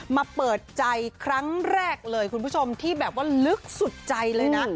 มาเปิดใจครั้งแรกเลยคุณผู้ชมที่แบบว่าลึกสุดใจเลยนะ